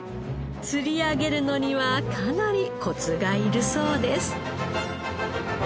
釣り上げるのにはかなりコツがいるそうです。